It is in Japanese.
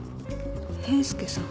平助さん？